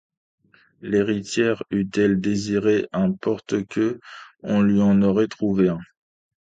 L’héritière eût-elle désiré un porte-queue, on lui en aurait trouvé un.